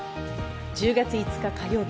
１０月５日、火曜日。